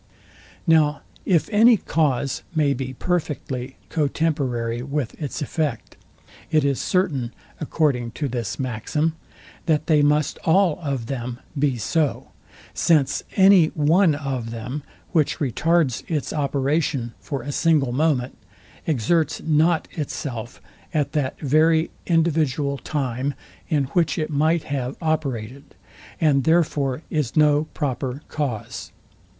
Now if any cause may be perfectly co temporary with its effect, it is certain, according to this maxim, that they must all of them be so; since any one of them, which retards its operation for a single moment, exerts not itself at that very individual time, in which it might have operated; and therefore is no proper cause.